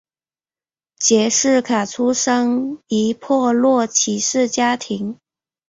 杰式卡生于一破落骑士家庭。